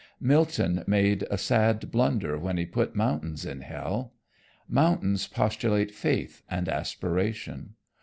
Milton made a sad blunder when he put mountains in hell. Mountains postulate faith and aspiration.